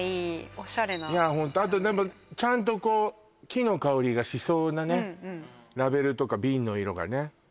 オシャレなでもちゃんとこう木の香りがしそうなねラベルとか瓶の色がね